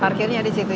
parkirnya di situ